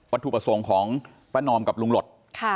ถูกประสงค์ของป้านอมกับลุงหลด